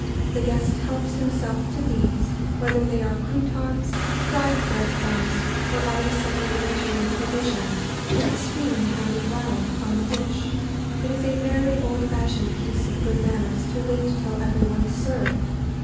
The guest helps himself to these, whether they are croûtons, fried bread crumbs or other supplementary provision, with the spoon handed round on the dish. [Sidenote: When to begin dining.] It is a very old fashioned piece of good manners to wait till every one is served.